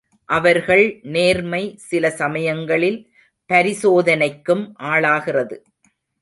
அவர்கள் நேர்மை சில சமயங்களில் பரிசோதனைக்கும் ஆளாகிறது.